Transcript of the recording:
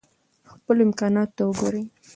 خپلو امکاناتو ته وګورئ.